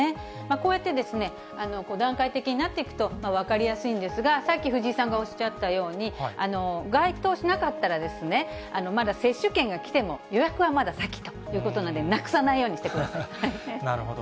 こうやって、段階的になっていくと分かりやすいんですが、さっき藤井さんがおっしゃったように、該当しなかったら、まだ接種券が来ても、予約はまだ先ということなんで、なくさないなるほど。